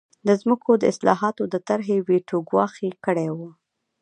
د ځمکو د اصلاحاتو د طرحې ویټو ګواښ یې کړی و.